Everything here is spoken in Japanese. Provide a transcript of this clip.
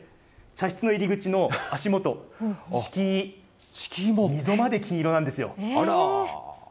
茶室の入り口の足元、敷居、溝まで金色なんですよ。